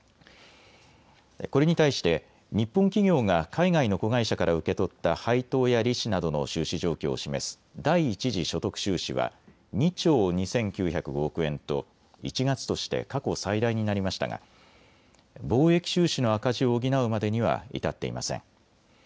これに対しで日本企業が海外の子会社から受け取った配当や利子などの収支状況を示す第一次所得収支は２兆２９０５億円と１月として過去最大になりましたが貿易収支の赤字を補うまでには至っていません。